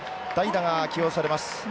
代打が起用されます。